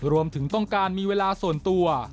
รวมถึงต้องการมีเวลาส่วนตัว